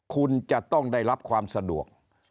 คุณจะต้องได้รับความสะดวก